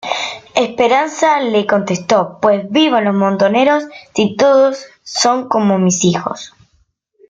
Esperanza le contestó ""Pues ¡vivan los montoneros si todos son como mis hijos!